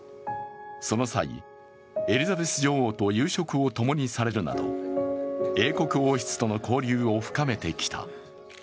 その際、エリザベス女王と夕食を共にされるなど英国王室との交流を深めてきた。